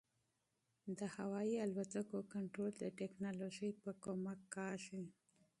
د هوايي الوتکو کنټرول د ټکنالوژۍ په مرسته کېږي.